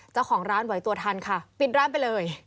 เจ้าของร้านไหวตัวทันค่ะปิดร้านไปเลย